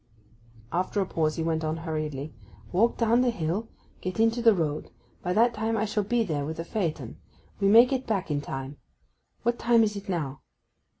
After a pause, he went on hurriedly, 'Walk down the hill; get into the road. By that time I shall be there with a phaeton. We may get back in time. What time is it now?